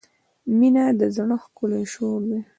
• مینه د زړۀ ښکلی شور دی.